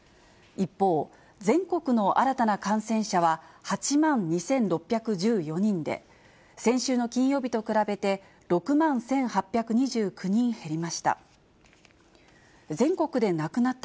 一方、全国の新たな感染者は８万２６１４人で、先週の金曜日と比べて６万１８２９人減りました。